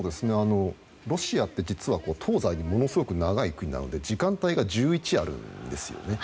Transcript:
ロシアって実は東西にものすごい長い国なので時間帯が１１あるんですね。